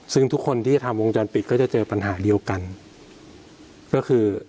ซึ่งทุกคนที่จะทำวงจรปิดก็จะเจอปัญหาเดียวกันก็คือ